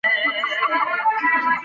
زده کړه د سوله ییز ژوند لپاره مهمه ده.